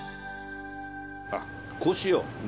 あっこうしよう。